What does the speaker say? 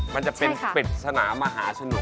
มันจะเป็นปริศนามหาสนุก